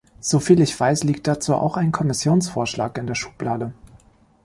Soviel ich weiß, liegt dazu auch ein Kommissionsvorschlag in der Schublade.